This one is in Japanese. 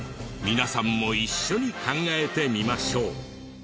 皆さんも一緒に考えてみましょう。